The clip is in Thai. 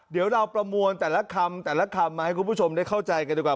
เดี๋ยวเราประมวลแต่ละคำแต่ละคำมาให้คุณผู้ชมได้เข้าใจกันดีกว่า